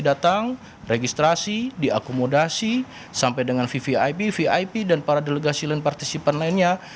datang registrasi diakomodasi sampai dengan vvip vip dan para delegasi land participan lainnya